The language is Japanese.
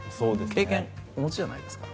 経験、お持ちじゃないですか？